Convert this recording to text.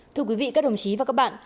thưa quý vị các đồng chí và các bạn